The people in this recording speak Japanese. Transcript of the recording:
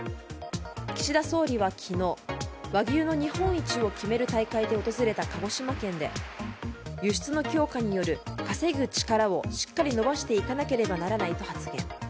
岸田総理は昨日、和牛の日本一を決める大会で訪れた鹿児島県で輸出の強化による稼ぐ力をしっかり伸ばしていかなければならないと発言。